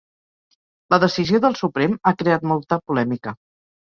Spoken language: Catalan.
La decisió del Suprem ha creat molta polèmica